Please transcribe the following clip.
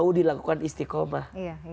itu dilakukan istiqomah